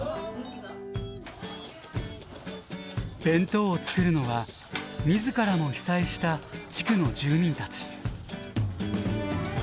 弁当を作るのは自らも被災した地区の住民たち。